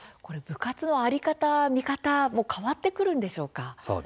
部活の在り方見方も変わってくるのでしょうか。